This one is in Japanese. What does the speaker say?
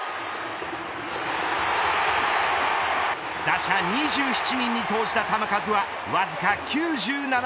打者２７人に投じた球数はわずか９７球。